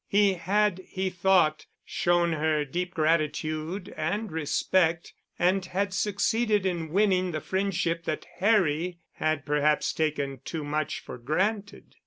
He had, he thought, shown her deep gratitude and respect—and had succeeded in winning the friendship that Harry had perhaps taken too much for granted.